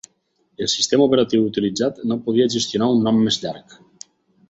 El sistema operatiu utilitzat no podia gestionar un nom més llarg.